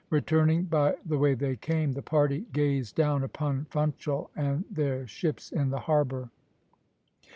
Returning by the way they came, the party gazed down upon Funchal and their ships in the harbour.